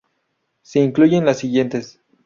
Se incluyen las siguiente.